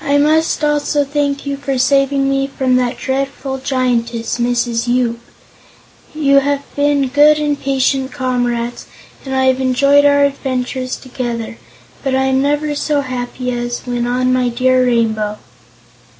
I must also thank you for saving me from that dreadful Giantess, Mrs. Yoop. You have been good and patient comrades and I have enjoyed our adventures together, but I am never so happy as when on my dear Rainbow."